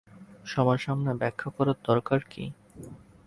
সবার সামনে ব্যাখ্যা করার দরকার কী?